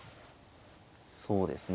そうですね。